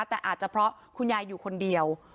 แต่อาจจะเพราะคุณยายอยู่คนเดียว